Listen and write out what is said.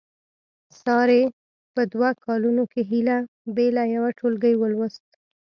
سارې په دوه کالونو کې هیله بیله یو ټولګی ولوست.